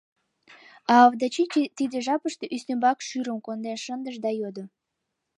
А Овдачи тиде жапыште ӱстембак шӱрым конден шындыш да йодо: